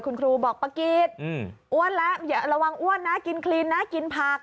คุณครูบอกปะกิดอ้วนแล้วอย่าระวังอ้วนนะกินคลีนนะกินผัก